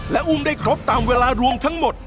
และอุ้มได้ครบตามเวลารวมทั้งหมด